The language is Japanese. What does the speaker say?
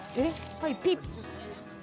はいピッ